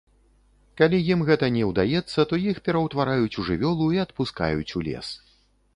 Калі ім гэта не ўдаецца, то іх пераўтвараюць у жывёлу і адпускаюць у лес.